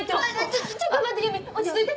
ちょちょっと待ってゆみ落ち着いて！